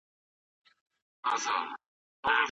ټکنالوژي د کرنې حاصلات لوړه کوي او پرمختګ آسانه کوي.